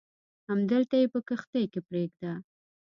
همدلته یې په کښتۍ کې پرېږده.